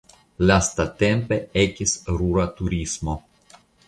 Lastatempe ekis rura turismo.